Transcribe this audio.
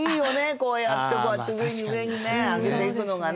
こうやってこうやって上に上にね上げていくのがね。